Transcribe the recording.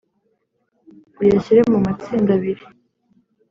uyashyire mu matsinda abiri